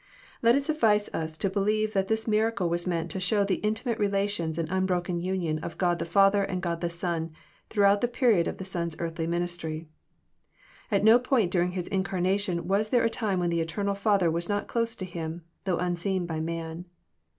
Let it suffice us to believe that this miracle was meant to show the intimate relations and unbroken union of God the Father and God the Son, throughout the period of the Son's earthly ministry. At no period during His incarnation was there a time when the eternal Father was not close to Him, though unseen by man.